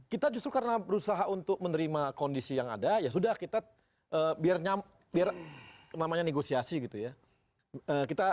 kita justru karena berusaha untuk menerima kondisi yang ada ya sudah kita biar namanya negosiasi gitu ya